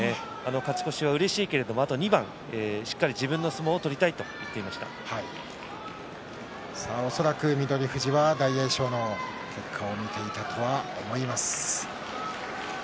勝ち越しは、うれしいけどあと２番しっかり自分の相撲を恐らく翠富士は大栄翔の結果を見ていたとは思います。